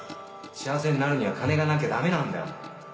幸せになるには金がなきゃ駄目なんだよ。